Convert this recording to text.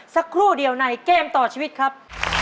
สักครู่เดียวในเกมต่อชีวิตครับ